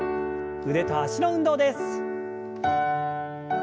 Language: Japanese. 腕と脚の運動です。